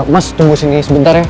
mas tunggu sini sebentar ya